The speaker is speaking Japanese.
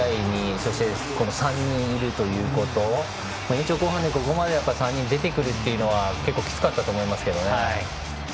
そして、３人いるということで延長後半で、ここまで３人出てくるというのは結構きつかったと思いますけどね。